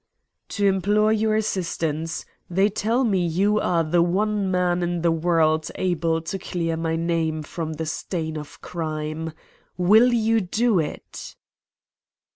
"To implore your assistance. They tell me you are the one man in the world able to clear my name from the stain of crime. Will you do it?"